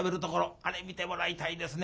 あれ見てもらいたいですね。